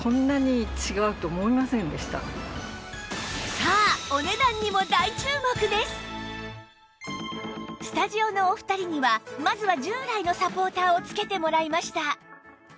さあスタジオのお二人にはまずは従来のサポーターを着けてもらいました